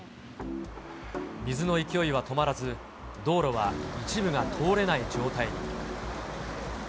水の勢いは止まらず、道路は一部が通れない状態に。